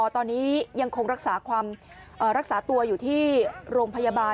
ตอนนี้ยังคงรักษาความรักษาตัวอยู่ที่โรงพยาบาล